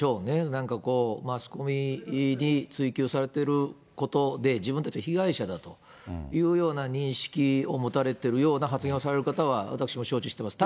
なんかこう、マスコミに追及されていることで、自分たちは被害者だというような認識を持たれてるような発言をされる方は、私も承知してます。